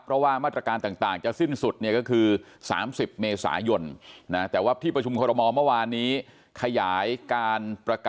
เพราะว่ามาตรการต่างจะสิ้นสุดก็คือ๓๐เมษายนแต่ว่าที่ประชุมคมมเมื่อวานนี้ขยายการ